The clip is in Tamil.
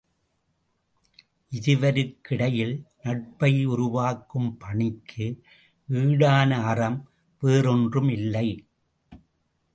இருவருக்கிடையில் நட்பை உருவாக்கும் பணிக்கு ஈடான அறம் வேறொன்றும் இல்லை.